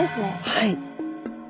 はい。